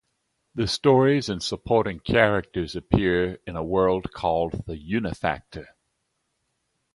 The stories and supporting characters appear in a world called the Unifactor.